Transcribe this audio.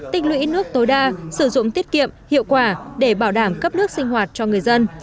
tích lũy nước tối đa sử dụng tiết kiệm hiệu quả để bảo đảm cấp nước sinh hoạt cho người dân